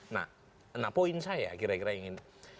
nah poin saya kira kira yang ini